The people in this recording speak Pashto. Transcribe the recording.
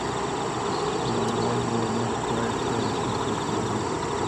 بنکال ګورنر کلایف ته رپوټ رسېدلی.